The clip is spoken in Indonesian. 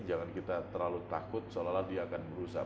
jangan kita terlalu takut seolah olah dia akan berusaha